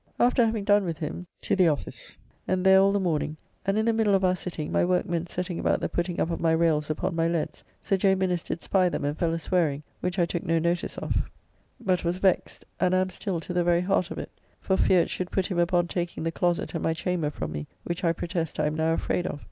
After having done with him to the office, and there all the morning, and in the middle of our sitting my workmen setting about the putting up of my rails upon my leads, Sir J. Minnes did spy them and fell a swearing, which I took no notice of, but was vexed, and am still to the very heart for it, for fear it should put him upon taking the closett and my chamber from me, which I protest I am now afraid of.